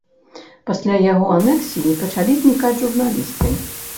Пасля яго анексіі пачалі знікаць журналісты.